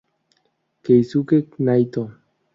Keisuke Naito